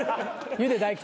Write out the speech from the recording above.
ゆで大吉。